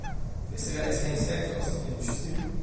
Visserij is geen sector als de industrie.